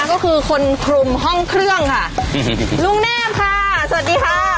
ก็คือคนคลุมห้องเครื่องค่ะลุงแนบค่ะสวัสดีค่ะ